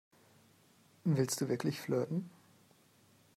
Willst du wirklich flirten?